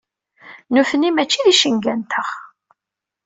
Nutni mačči d icenga-nteɣ.